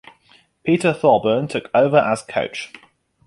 Peter Thorburn took over as coach.